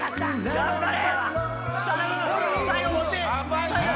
頑張れ！